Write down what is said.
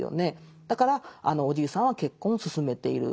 だからあのおじいさんは結婚を勧めている。